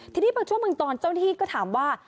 ทีนี้ประชุมึงตอนเจ้าที่ก็ถามว่า